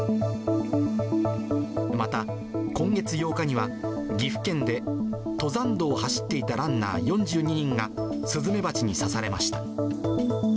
また、今月８日には、岐阜県で登山道を走っていたランナー４２人が、スズメバチに刺されました。